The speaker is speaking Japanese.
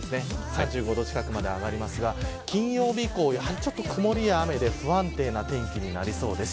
３５度近くまで上がりますが金曜日以降曇りや雨で不安定な天気になりそうです。